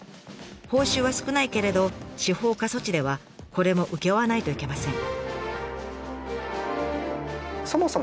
報酬は少ないけれど司法過疎地ではこれも請け負わないといけません。